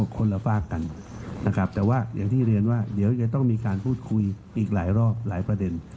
คนละฝากกันนะครับแต่ว่าอย่างที่เรียนว่าเดี๋ยวจะต้องมีการพูดคุยอีกหลายรอบหลายประเด็น